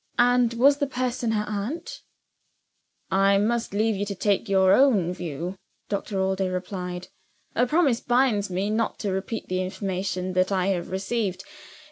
And was the person her aunt?" "I must leave you to take your own view," Doctor Allday replied. "A promise binds me not to repeat the information that I have received.